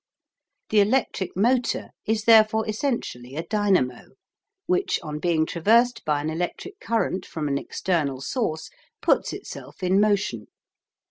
The electric motor is therefore essentially a dynamo, which on being traversed by an electric current from an external source puts itself in motion.